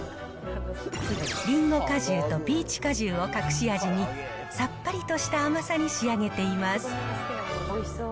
りんご果汁とピーチ果汁を隠し味に、さっぱりとした甘さに仕上げています。